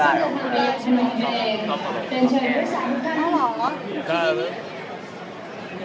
ฮันน่ากูลเขียนร้อนเพลงได้อย่างไรเสนอแบบนั้นตอนนี้